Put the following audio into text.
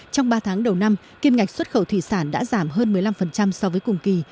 trong ba tháng đầu năm kiêm ngạch xuất khẩu thủy sản đã giảm hơn một mươi năm so với cùng kỳ